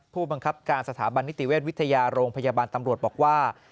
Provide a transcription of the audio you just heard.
ผู้บังคับการสถาบันนิติเวชวิทยาโรงพยาบาลตำรวจบอกว่า